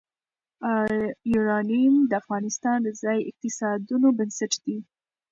یورانیم د افغانستان د ځایي اقتصادونو بنسټ دی.